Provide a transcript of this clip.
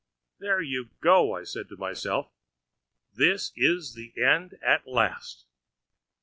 'There you go!' I said to myself; 'this is the end at last.'